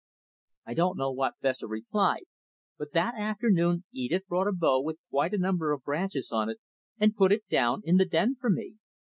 I don't know what Fessor replied, but that afternoon Edith brought a bough with quite a number of branches on it, and put it down in the den for me.